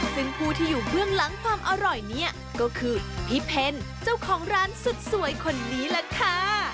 ซึ่งผู้ที่อยู่เบื้องหลังความอร่อยเนี่ยก็คือพี่เพลเจ้าของร้านสุดสวยคนนี้แหละค่ะ